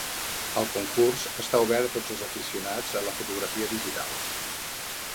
El concurs està obert a tots els aficionats a la fotografia digital.